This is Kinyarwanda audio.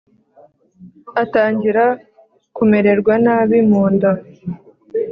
atangira kumererwa nabi mu nda,